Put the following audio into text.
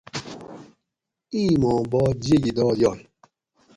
ایں ماں باد جیگی داد یاگ